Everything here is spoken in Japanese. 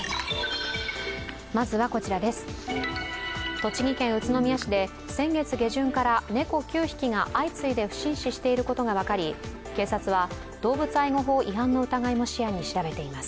栃木県宇都宮市で先月下旬から猫９匹が相次いで不審死していることが分かり警察は動物愛護法違反の疑いも視野に調べています。